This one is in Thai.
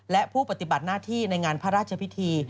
และผู้ปฏิบัติหน้าที่ในงานพระราชพิธี